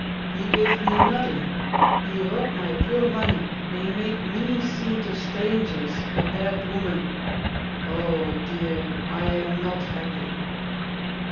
He give me noding—he rob my poor money, and he make me seem to strangers a bad woman. Oh, dear! I am not happy!"